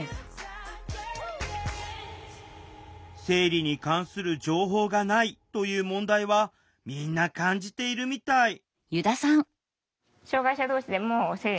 「生理に関する情報がない」という問題はみんな感じているみたい